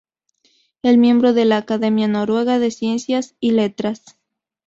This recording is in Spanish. Es miembro de la Academia Noruega de Ciencia y Letras.